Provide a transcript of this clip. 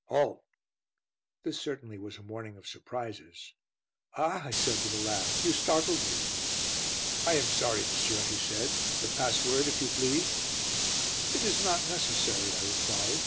"Halt!" This certainly was a morning of surprises. "Ah," I said, with a laugh, "you startled me." "I am sorry, monsieur," he said. "The password, if you please?" "It is not necessary," I replied.